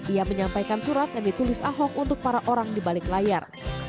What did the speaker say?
ia menyampaikan surat yang ditulis ahok untuk para orang di balik layar